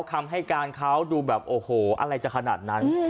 คำให้การเขาดูแบบโอ้โหอะไรจะขนาดนั้น